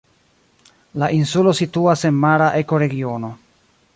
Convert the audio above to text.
La insulo situas en mara ekoregiono.